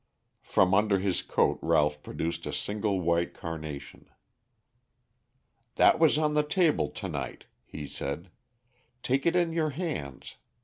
From under his coat Ralph produced a single white carnation. "That was on the table to night," he said. "Take it in your hands.